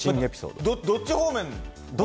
どっち方面？